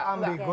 kalau ambigo itu